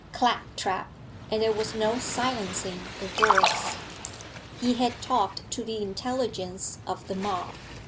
clap trap!' and there was no silencing the voice. He had talked to the intelligence of the mob.